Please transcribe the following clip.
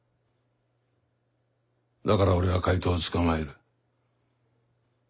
だから俺は怪盗を捕まえる。